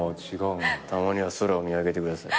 「たまには空を見上げてください」